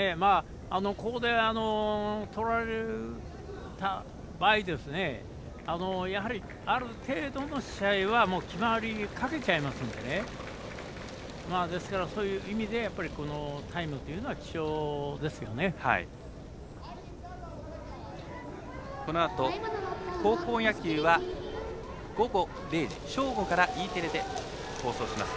ここでとられた場合やはり、ある程度の試合は決まりかけちゃいますのでですから、そういう意味でこのタイムというのはこのあと高校野球は午後０時正午からＥテレで放送します。